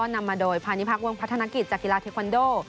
นำมาโดยพาณิพักษวงพัฒนกิจจากกีฬาเทควันโด